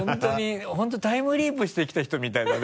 本当タイムリープしてきた人みたいだね